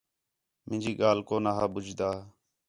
مینجی ڳالھ کو نا ہا ٻُجھدا